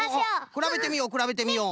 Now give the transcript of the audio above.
くらべてみようくらべてみよう！